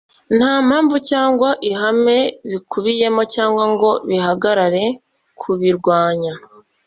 Nta mpamvu cyangwa ihame bikubiyemo cyangwa ngo bihagarare kubirwanya. ”